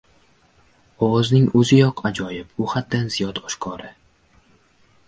Ovozning o‘ziyoq ajoyib, u haddan ziyod oshkora